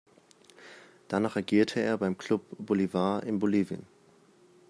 Danach agierte er beim Club Bolívar in Bolivien.